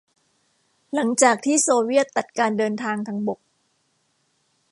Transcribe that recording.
หลังจากที่โซเวียตตัดการเดินทางทางบก